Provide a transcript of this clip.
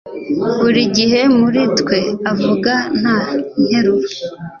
Buri gihe muri twe avuga nta nteruro